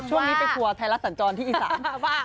ช่วงนี้ไปทัวร์ไทยรัฐสัญจรที่อีสาน